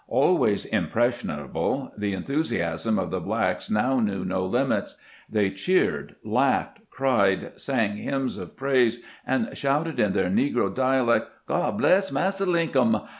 Always impressionable, the enthusiasm of the blacks now knew no limits. They cheered, laughed, cried, sang hymns of praise, and shouted in their negro dialect, " God bress Massa Linkum